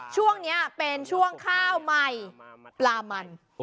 ช่วงนี้เป็นช่วงข้าวใหม่ปลามัน